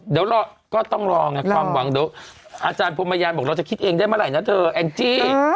เดี๋ยวเราก็ต้องรอไงความหวังเดี๋ยวอาจารย์พรมยานบอกเราจะคิดเองได้เมื่อไหร่นะเธอแองจี้